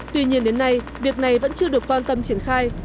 tuy nhiên đến nay việc này vẫn chưa được quan tâm triển khai